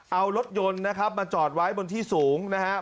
เอารถยนต์นะครับมาจอดไว้บนที่สูงนะครับ